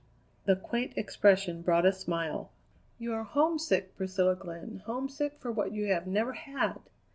The quaint expression brought a smile. "You are homesick, Priscilla Glenn, homesick for what you have never had!